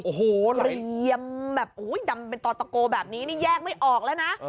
โอ้โหเรียมแบบดำเป็นต่อตะโกแบบนี้นี่แยกไม่ออกแล้วนะ